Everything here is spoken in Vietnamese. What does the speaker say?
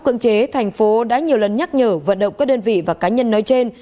cưỡng chế thành phố đã nhiều lần nhắc nhở vận động các đơn vị và cá nhân nói trên